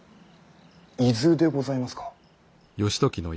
伊豆でございますか。